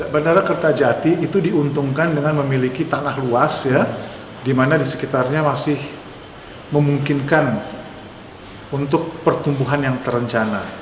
bandara kertajati itu diuntungkan dengan memiliki tanah luas di mana di sekitarnya masih memungkinkan untuk pertumbuhan yang terencana